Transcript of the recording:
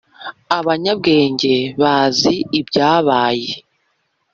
abanyabwenge h bazi ibyabaye